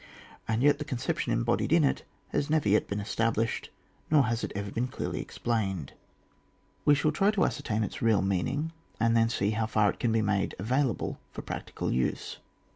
And yet the concep tion embodied in it has never yet been established, nor has it ever been clearly explained. We shall try to ascertain its real mean ing, and then see how far it can be made available for practical use.